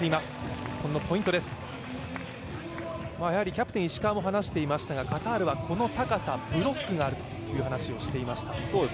キャプテン・石川も話していましたが、カタールはこの高さ、ブロックがあると話していました。